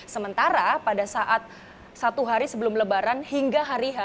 sementara pada saat satu hari sebelum lebaran hingga hari h